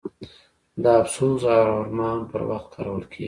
د افسوس او ارمان پر وخت کارول کیږي.